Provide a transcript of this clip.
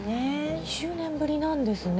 ２０年ぶりなんですね。